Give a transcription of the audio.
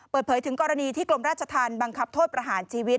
เปิดเผยถึงกรณีที่กรมราชธรรมบังคับโทษประหารชีวิต